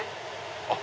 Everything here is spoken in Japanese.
あっ